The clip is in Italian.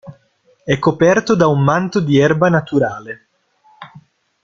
È coperto da un manto di erba naturale.